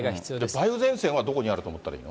梅雨前線はどこにあると思ったらいいの？